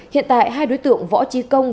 hiện tại hai đối tượng võ trí công